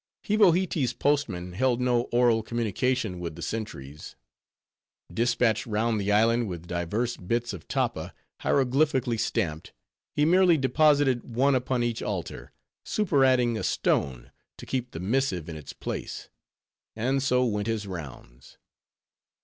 Hivohitee's postman held no oral communication with the sentries. Dispatched round the island with divers bits of tappa, hieroglyphically stamped, he merely deposited one upon each altar; superadding a stone, to keep the missive in its place; and so went his rounds.